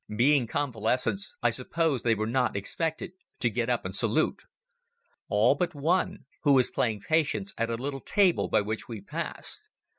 Being convalescents I suppose they were not expected to get up and salute. All but one, who was playing Patience at a little table by which we passed.